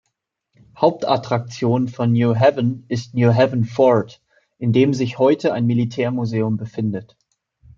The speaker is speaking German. Hauptattraktion von Newhaven ist Newhaven Fort, in dem sich heute ein Militärmuseum befindet.